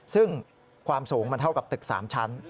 ซึ่งความสูงมันเท่ากับตึก๓ชั้น